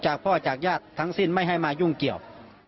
พ่อจากญาติทั้งสิ้นไม่ให้มายุ่งเกี่ยว